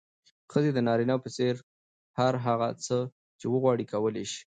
ښځې د نارينه په څېر هر هغه څه چې وغواړي، کولی يې شي.